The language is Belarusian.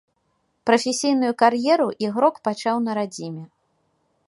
Прафесійную кар'еру ігрок пачаў на радзіме.